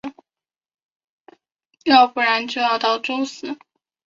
要不然就要到周四